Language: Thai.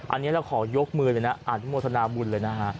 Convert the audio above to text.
อันนี้เราขอยกมือเลยนะอนุโมทนาบุญเลยนะฮะ